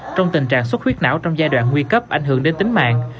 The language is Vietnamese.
trong tình trạng xuất huyết não trong giai đoạn nguy cấp ảnh hưởng đến tính mạng